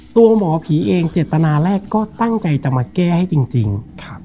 ตัวหมอผีเองเจตนาแรกก็ตั้งใจจะมาแก้ให้จริงจริงครับ